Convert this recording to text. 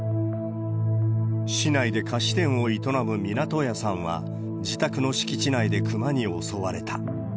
市内で菓子店を営む湊屋さんは、自宅の敷地内でクマに襲われた。